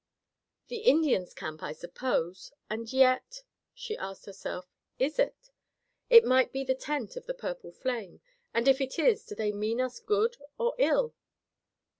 "The Indian's camp, I suppose. And yet," she asked herself, "is it? It might be the tent of the purple flame, and if it is, do they mean us good or ill?"